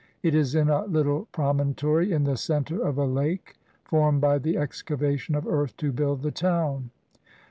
It is in a little pro montory in the centre of a lake formed by the excavation of earth to build the town.